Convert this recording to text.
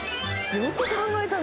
よく考えたね。